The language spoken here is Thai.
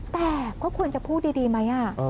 แต่ก็ควรจะพูดดีไหม